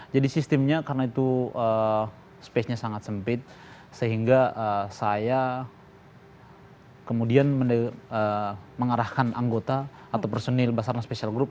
jadi sistemnya karena itu space nya sangat sempit sehingga saya kemudian mengarahkan anggota atau personil basarnas special group